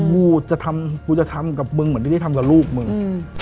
กูจะทำกูจะทำกับมึงเหมือนที่ได้ทำกับลูกมึง